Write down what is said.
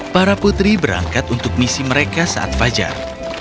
para putri berangkat untuk misi mereka saat fajar